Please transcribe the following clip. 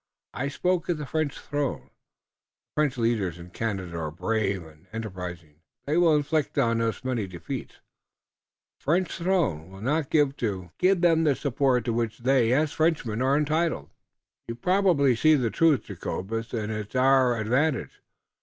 I spoke of the French throne. The French leaders in Canada are brave und enterprising. They will inflict on us many defeats, but the French throne will not give to them the support to which they as Frenchmen are entitled." "You probably see the truth, Jacobus, and it's to our advantage.